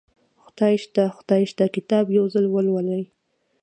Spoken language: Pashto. خدای شته خدای شته کتاب یو ځل ولولئ